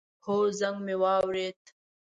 هو، زنګ می واورېد